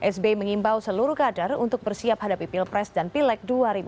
sbi mengimbau seluruh kader untuk bersiap hadapi pilpres dan pilek dua ribu sembilan belas